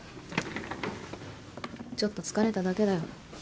ちょっと疲れただけだよ。